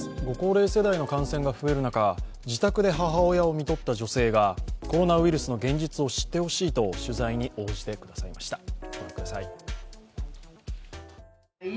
ご高齢世代の感染が増える中、自宅で母親をみとった女性がコロナウイルスの現実を知ってほしいと取材に応じてくださいました。